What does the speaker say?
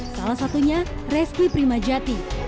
salah satunya resmi primajati